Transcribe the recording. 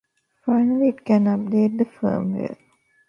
Finally it can update the firmware.